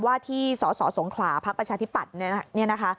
ว่าที่สสสงขลาพักประชาธิปัตย์เนี่ยนะคะ